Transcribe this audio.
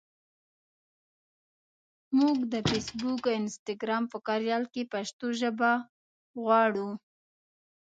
مونږ د فېسبوک او انسټګرام په کاریال کې پښتو ژبه غواړو.